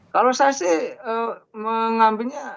kalau saya sih mengambilnya